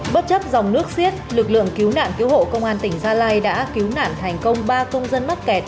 bất chấp dòng nước xiết lực lượng cứu nạn cứu hộ công an tỉnh gia lai đã cứu nạn thành công ba công dân mắc kẹt